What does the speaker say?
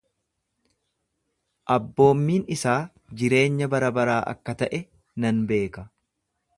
Abboommiin isaa jireenya barabaraa akka ta’e nan beeka.